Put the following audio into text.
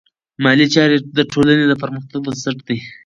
مالي چارې د ټولنې د پرمختګ بنسټ دی.